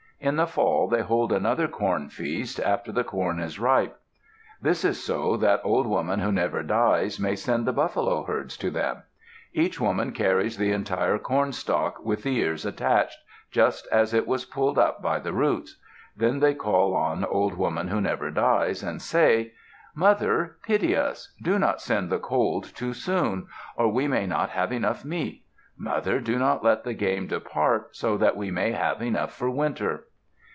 In the fall they hold another corn feast, after the corn is ripe. This is so that Old Woman Who Never Dies may send the buffalo herds to them. Each woman carries the entire cornstalk, with the ears attached, just as it was pulled up by the roots. Then they call on Old Woman Who Never Dies and say, "Mother, pity us. Do not send the cold too soon, or we may not have enough meat. Mother, do not let the game depart, so that we may have enough for winter."